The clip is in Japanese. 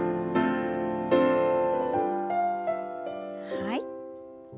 はい。